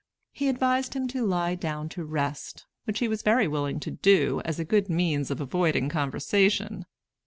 He advised him to lie down to rest; which he was very willing to do, as a good means of avoiding conversation.